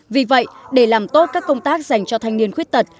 vì vậy để làm tốt các công tác dành cho thanh niên khuyết tật